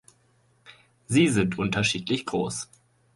Sie sind unterschiedlich groß.